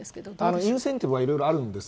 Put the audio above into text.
インセンティブはいろいろあるんです。